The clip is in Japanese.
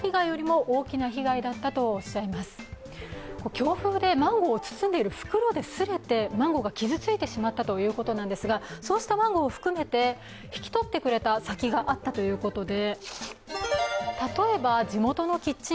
強風でマンゴーを包んでいる袋がすれてマンゴーが傷ついてしまったということなんですがそうしたマンゴーを含めて引き取ってくれた先があったということで。